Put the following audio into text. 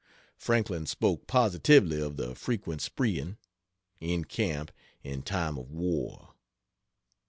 Franklin spoke positively of the frequent spreeing. In camp in time of war.